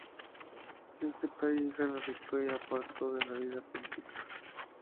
En este país se radicó y apartó de la vida política.